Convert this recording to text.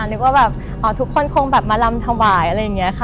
นึกว่าแบบทุกคนคงแบบมาลำถวายอะไรอย่างนี้ค่ะ